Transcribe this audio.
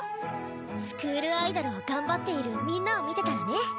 スクールアイドルを頑張っているみんなを見てたらね